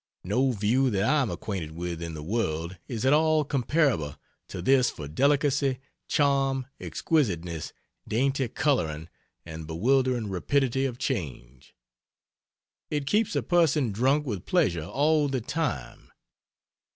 No view that I am acquainted with in the world is at all comparable to this for delicacy, charm, exquisiteness, dainty coloring, and bewildering rapidity of change. It keeps a person drunk with pleasure all the time.